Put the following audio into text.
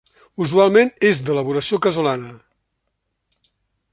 Usualment és d'elaboració casolana.